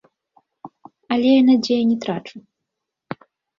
Але я надзеі не трачу.